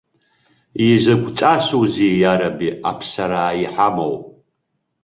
Изакә ҵасузеи, иараби, аԥсараа иҳамоу.